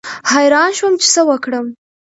حیران شوم چې څه وکړم.